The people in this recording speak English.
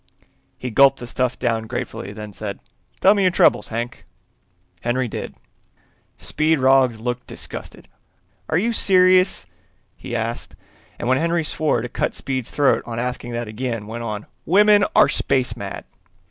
He gulped the stuff down gratefully, then said, "Tell me your troubles, Hank." Henry did. Speed Roggs looked disgusted. "Are you serious?" he asked, and when Henry swore to cut Speed's throat on asking that again, went on, "Women are space mad!"